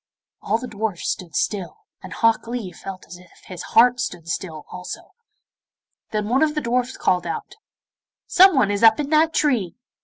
All the dwarfs stood still, and Hok Lee felt as if his heart stood still also. Then one of the dwarfs called out, 'Someone is up in that tree.